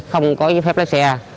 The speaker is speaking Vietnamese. không có giấy phép lấy xe